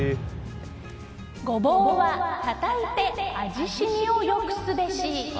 ゴボウはたたいて味しみを良くすべし。